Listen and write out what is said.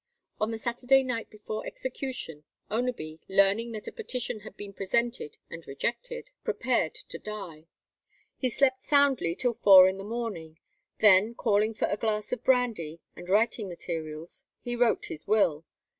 On the Saturday night before execution Oneby, learning that a petition had been presented and rejected, prepared to die. He slept soundly till four in the morning, then calling for a glass of brandy and writing materials, he wrote his will.